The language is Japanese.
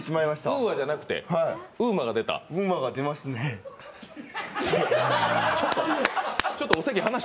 ＵＡじゃなくて、ウーマが出た？